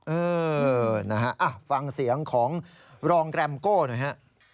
เออนะฮะฟังเสียงของรองแรมโก้หน่อยฮะ